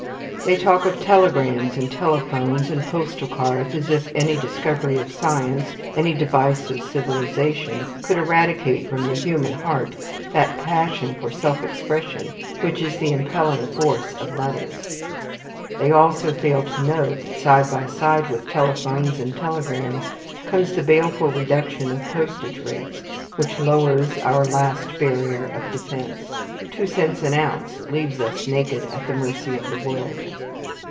They talk of telegrams, and telephones, and postal cards, as if any discovery of science, any device of civilization, could eradicate from the human heart that passion for self expression which is the impelling force of letters. They also fail to note that, side by side with telephones and telegrams, comes the baleful reduction of postage rates, which lowers our last barrier of defence. Two cents an ounce leaves us naked at the mercy of the world.